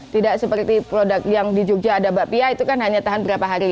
tidak seperti produk yang di jogja ada bakpia itu kan hanya tahan berapa hari